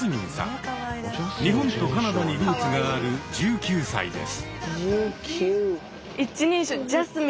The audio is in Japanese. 日本とカナダにルーツがある１９歳です。